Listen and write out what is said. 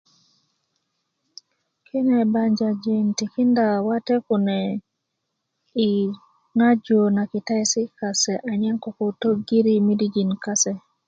kine banjajin tikinda wate kune ŋaju na kitaesi kase anyen ko tögiri nmidijin kase